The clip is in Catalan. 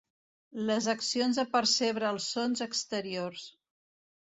Les accions de percebre els sons exteriors.